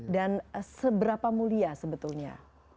dan seberapa mulia sebetulnya